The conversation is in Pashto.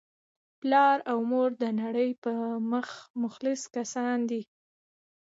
پلار او مور دنړۍ په مخ مخلص کسان دي